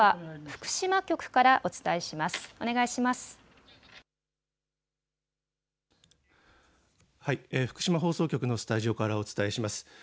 福島放送局のスタジオからお伝えします。